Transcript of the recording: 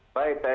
baik tni polri